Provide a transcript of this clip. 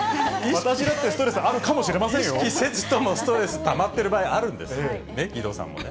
私だってストレスあるかもし意識せずともストレスたまってる場合あるんです、義堂さんもね。